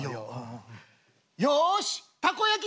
よしたこ焼き